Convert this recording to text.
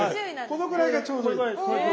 このぐらいがちょうどいい。